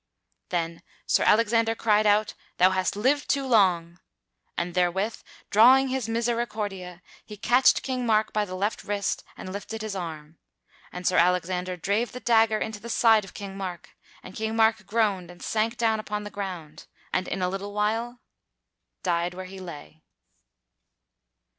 Then Sir Alexander cried out, "Thou hast lived too long!" And therewith drawing his misericordia, he catched King Mark by the left wrist and lifted his arm. And Sir Alexander drave the dagger into the side of King Mark, and King Mark groaned and sank down upon the ground, and in a little while died where he lay.